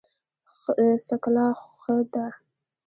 څکلا ښه ده.